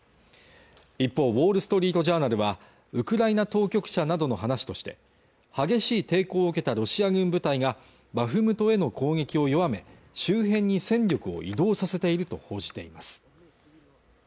一方「ウォール・ストリート・ジャーナル」はウクライナ当局者などの話として激しい抵抗を受けたロシア軍部隊がバフムトへの攻撃を弱め周辺に戦力を移動させていると報じています